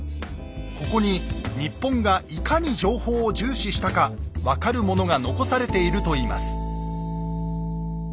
ここに日本がいかに情報を重視したか分かるものが残されているといいます。